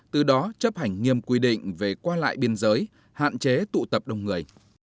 từ đó chấp hành nghiêm quy định về qua lại biên giới hạn chế tụ tập đông người